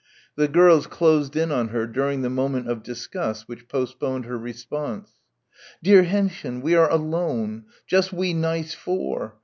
The girls closed in on her during the moment of disgust which postponed her response. "Dear Hendchen! We are alone! Just we nice four!